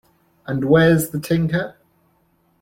And where's the tinker?